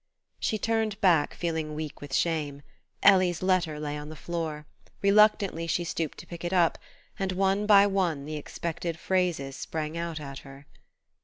She turned back feeling weak with shame. Ellie's letter lay on the floor: reluctantly she stooped to pick it up, and one by one the expected phrases sprang out at her.